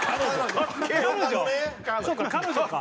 そうか彼女か。